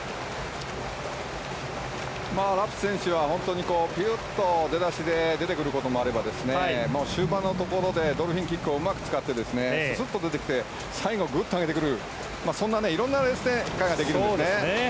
ラプシス選手はぴゅっと出だしで出てくることもあれば終盤、ドルフィンキックをうまく使ってすすっと出てきて最後グッと上げてくるそんないろんなレース展開ができるんですね。